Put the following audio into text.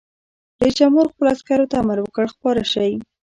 رئیس جمهور خپلو عسکرو ته امر وکړ؛ خپاره شئ!